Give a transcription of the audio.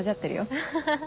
ハハハ。